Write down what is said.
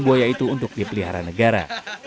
buaya itu untuk dipelihara negara